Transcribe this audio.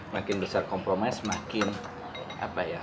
makin besar kompromis makin apa ya